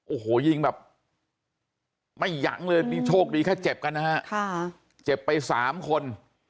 โอ้โหยิงแบบไม่หยั้งเลยนี่โชคดีแค่เจ็บกันนะฮะเจ็บไปสามคน